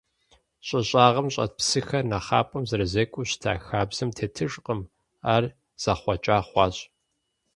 Щӏы щӏагъым щӏэт псыхэр нэхъапэм зэрызекӏуэу щыта хабзэм тетыжкъым, ар зэхъуэкӏа хъуащ.